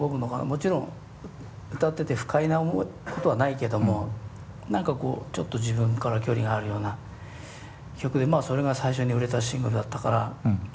もちろん歌ってて不快なことはないけども何かこうちょっと自分から距離があるような曲でまあそれが最初に売れたシングルだったから。